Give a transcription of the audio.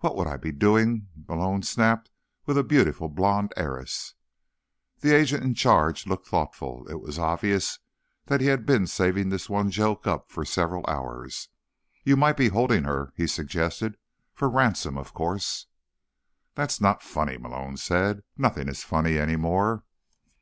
"What would I be doing," Malone snapped, "with a beautiful blonde heiress?" The agent in charge looked thoughtful. It was obvious that he had been saving his one joke up for several hours. "You might be holding her," he suggested, "for ransom, of course." "That's not funny," Malone said. "Nothing is funny any more."